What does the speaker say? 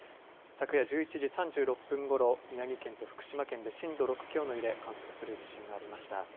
昨夜１１時３０分ごろ宮城県と福島県で震度６強の揺れ、観測する地震がありました。